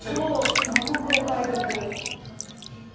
すっごくお買い得。